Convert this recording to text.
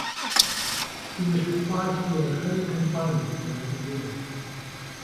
He was required to be on home confinement for another year.